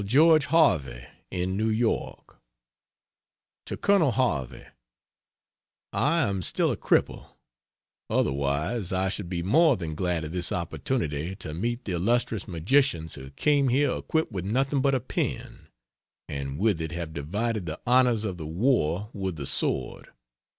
George Harvey, in New York: TO COLONEL HARVEY, I am still a cripple, otherwise I should be more than glad of this opportunity to meet the illustrious magicians who came here equipped with nothing but a pen, and with it have divided the honors of the war with the sword.